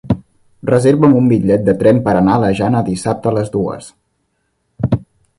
Reserva'm un bitllet de tren per anar a la Jana dissabte a les dues.